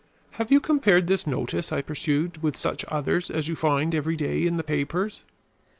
"Have you compared this notice," I pursued, "with such others as you find every day in the papers?"